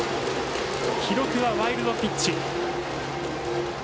記録はワイルドピッチ。